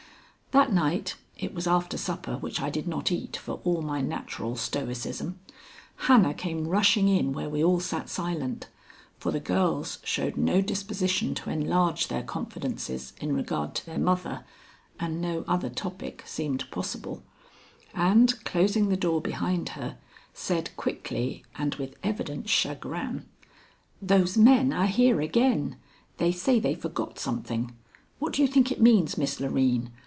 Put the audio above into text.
That night it was after supper, which I did not eat for all my natural stoicism Hannah came rushing in where we all sat silent, for the girls showed no disposition to enlarge their confidences in regard to their mother, and no other topic seemed possible, and, closing the door behind her, said quickly and with evident chagrin: "Those men are here again. They say they forgot something. What do you think it means, Miss Loreen?